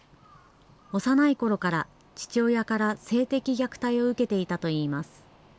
幼いころから父親から性的虐待を受けていたといいます。